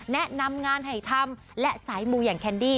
แนะนำงานให้ทำและสายมูอย่างแคนดี้